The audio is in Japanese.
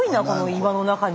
岩の中に。